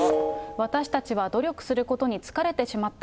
私たちは努力することに疲れてしまった。